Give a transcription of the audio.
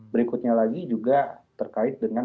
berikutnya lagi juga terkait dengan